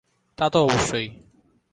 তা তো অবশ্যই।